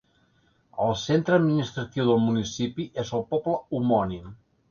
El centre administratiu del municipi és el poble homònim.